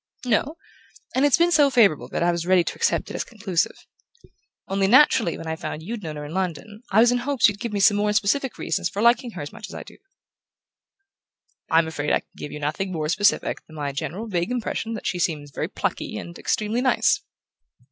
"No; and it's been so favourable that I was ready to accept it as conclusive. Only, naturally, when I found you'd known her in London I was in hopes you'd give me some more specific reasons for liking her as much as I do." "I'm afraid I can give you nothing more specific than my general vague impression that she seems very plucky and extremely nice."